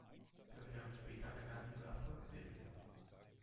Zwölf Jahre später begann ihre Erfolgsserie.